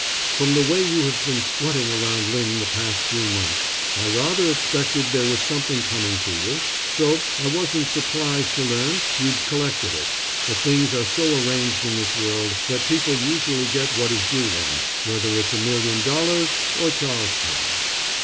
From the way you have been strutting around Lynn the past few months, I rather expected there was something coming to you, so I wasn't surprised to learn you'd collected it, for things are so arranged in this world that people usually get what is due them, whether it's a million dollars or Charlestown.